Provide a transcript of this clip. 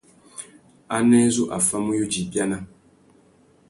Anē zu a famú yudza ibiana?